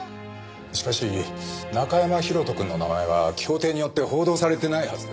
しかし中山広斗くんの名前は協定によって報道されてないはずです。